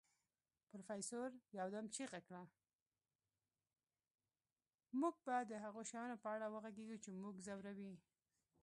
موږ به د هغو شیانو په اړه وغږیږو چې موږ ځوروي